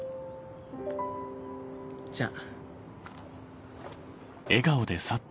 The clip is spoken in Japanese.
じゃあ。